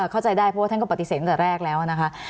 เข้าใจได้เพราะว่าท่านก็ปฏิเสธตั้งแต่แรกแล้วนะคะ